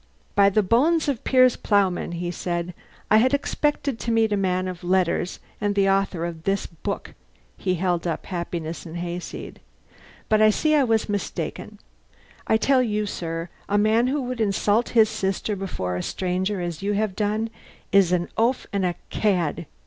"By the bones of Piers Plowman," he said, "I had expected to meet a man of letters and the author of this book" he held up "Happiness and Hayseed" "but I see I was mistaken. I tell you, sir, a man who would insult his sister before a stranger, as you have done, is an oaf and a cad."